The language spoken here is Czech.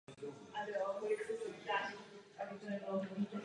Autorsky se podílí na hudební části speciálních večerů Národního divadla Nová krev.